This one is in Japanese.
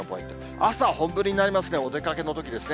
朝、本降りになりますね、お出かけのときですね。